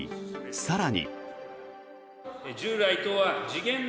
更に。